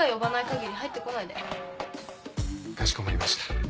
かしこまりました。